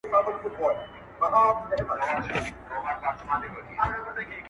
• دا شی په گلونو کي راونغاړه_